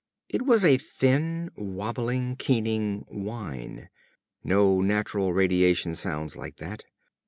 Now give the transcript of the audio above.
It was a thin, wabbling, keening whine. No natural radiation sounds like that.